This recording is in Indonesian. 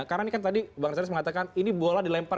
karena ini kan tadi bang rasyadis mengatakan ini bola dilempar